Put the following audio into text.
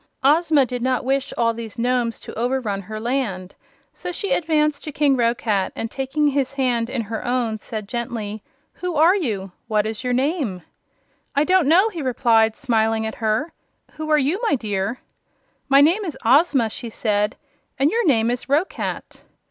Ozma did not wish all these Nomes to overrun her land, so she advanced to King Roquat and taking his hand in her own said gently: "Who are you? What is your name?" "I don't know," he replied, smiling at her. "Who are you, my dear?" "My name is Ozma," she said; "and your name is Roquat."